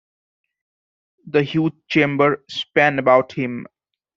The huge chamber span about him.